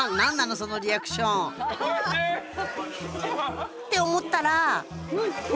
そのリアクションおいしい！って思ったら。